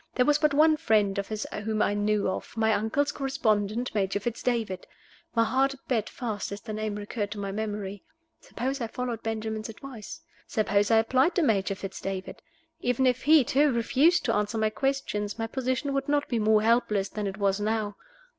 There was but one friend of his whom I knew of my uncle's correspondent, Major Fitz David. My heart beat fast as the name recurred to my memory. Suppose I followed Benjamin's advice? Suppose I applied to Major Fitz David? Even if he, too, refused to answer my questions, my position would not be more helpless than it was now.